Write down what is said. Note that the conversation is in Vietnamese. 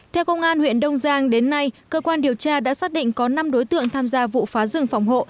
theo công an huyện đông giang đến nay cơ quan điều tra đã xác định có năm đối tượng tham gia vụ phá rừng phòng hộ